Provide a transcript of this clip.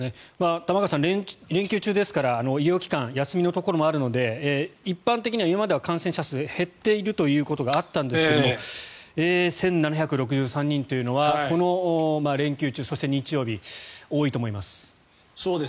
玉川さん連休中ですから医療機関休みのところもあるので一般的には今までは感染者数減っているということがあったんですが１７６３人というのはこの連休中そして日曜日、多いと思います。